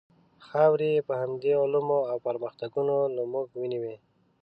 خاورې یې په همدې علومو او پرمختګونو له موږ ونیوې.